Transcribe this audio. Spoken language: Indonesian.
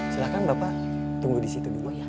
silahkan bapak tunggu di situ dulu ya